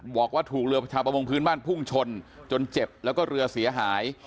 บอกว่าถูกเรือประชาประมงพื้นบ้านพุ่งชนจนเจ็บแล้วก็เรือเสียหาย